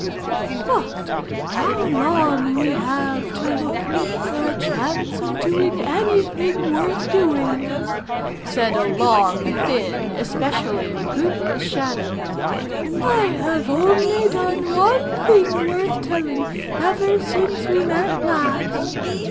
"But how long we have to look for a chance of doing anything worth doing," said a long, thin, especially lugubrious Shadow. "I have only done one thing worth telling ever since we met last.